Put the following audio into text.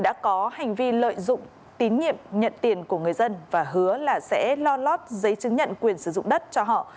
đã có hành vi lợi dụng tín nhiệm nhận tiền của người dân và hứa là sẽ lo lót giấy chứng nhận quyền sử dụng đất cho họ